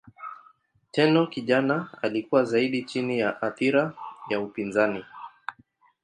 Tenno kijana alikuwa zaidi chini ya athira ya upinzani.